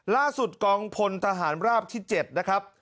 ล่าสุดกองพลทหารราบที่๗นะครับ